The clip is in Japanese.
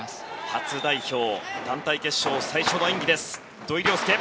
初代表、団体決勝最初の演技です、土井陵輔。